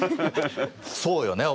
そうよね